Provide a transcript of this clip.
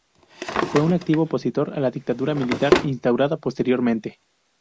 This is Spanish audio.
Fue un activo opositor a la dictadura militar instaurada posteriormente.